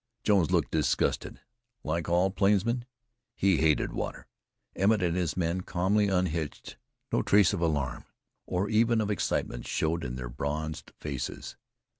Jones looked disgusted. Like all plainsmen, he hated water. Emmett and his men calmly unhitched. No trace of alarm, or even of excitement showed in their bronzed faces.